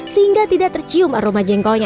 sehingga tidak tercium aroma jengkolnya